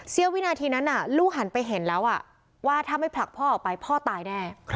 วินาทีนั้นลูกหันไปเห็นแล้วว่าถ้าไม่ผลักพ่อออกไปพ่อตายแน่